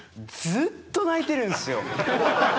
ずっと泣いてるんですよ。